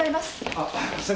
あっ先生。